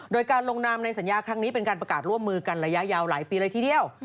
โดยการลงนามในสัญญาครั้งนี้เป็นการประกาศร่วมมือกันระยะยาวหลายปีเลยทีเดียว